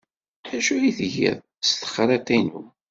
D acu ay tgiḍ s texriḍt-inu?